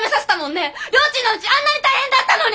りょーちんのうちあんなに大変だったのに！